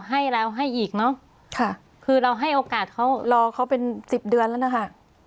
ให้เราให้อีกเนอะค่ะคือเราให้โอกาสเขารอเขาเป็นสิบเดือนแล้วนะคะ